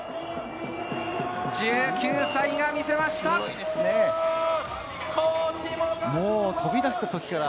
１９歳が見せました！